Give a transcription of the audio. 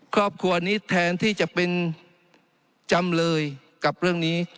ครอบครัวนี้แทนที่จะเป็นจำเลยกับเรื่องนี้